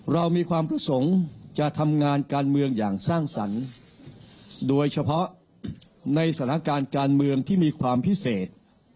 เรามีความประสงค์จะทำงานการเมืองอย่างสร้างสรรค์โดยเฉพาะในสถานการณ์การเมืองที่มีความพิเศษ